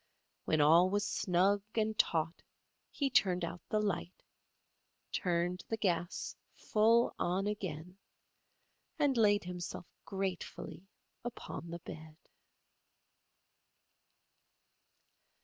When all was snug and taut he turned out the light, turned the gas full on again and laid himself gratefully upon the bed.